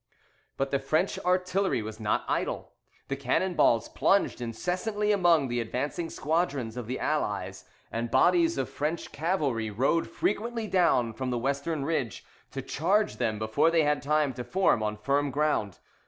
But the French artillery was not idle. The cannon balls plunged incessantly among the advancing squadrons of the allies; and bodies of French cavalry rode frequently down from the western ridge, to charge them before they had time to form on the firm ground.